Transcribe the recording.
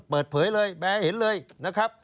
เปิดเผยเลยแบร์ให้เห็นเลยนะครับ